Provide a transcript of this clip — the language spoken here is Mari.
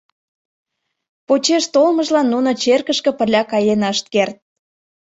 Почеш толмыжлан нуно черкышке пырля каен ышт керт.